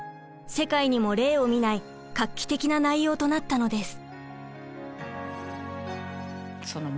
世界にも例を見ない画期的な内容となったのです。